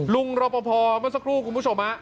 ลุงรบประพอมันสักครู่คุณผู้ชม